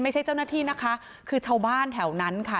เจ้าหน้าที่นะคะคือชาวบ้านแถวนั้นค่ะ